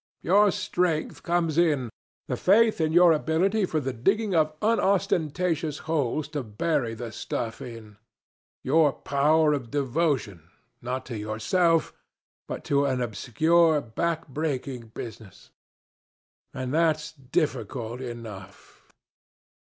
Your strength comes in, the faith in your ability for the digging of unostentatious holes to bury the stuff in your power of devotion, not to yourself, but to an obscure, back breaking business. And that's difficult enough.